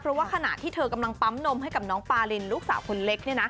เพราะว่าขณะที่เธอกำลังปั๊มนมให้กับน้องปารินลูกสาวคนเล็ก